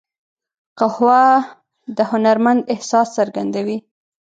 قهوه د هنرمند احساس څرګندوي